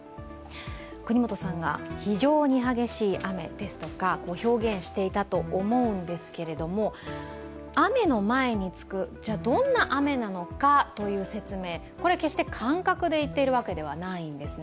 國本さんが非常に激しい雨ですとか表現していたと思うんですけれども「雨」の前につく、どんな雨なのかという説明、決して感覚で言っているわけではないんです。